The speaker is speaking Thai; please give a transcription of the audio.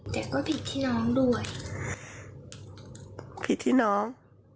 แต่ก็ผิดพี่น้องด้วยผิดพี่น้อง